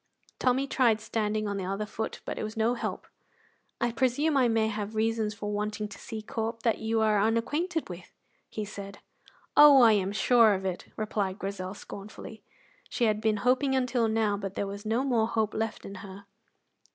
Tommy tried standing on the other foot, but it was no help. "I presume I may have reasons for wanting to see Corp that you are unacquainted with," he said. "Oh, I am sure of it!" replied Grizel, scornfully. She had been hoping until now, but there was no more hope left in her.